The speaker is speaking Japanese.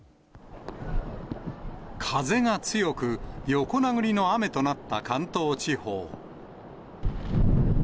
風が強く、横殴りの雨となった関東地方。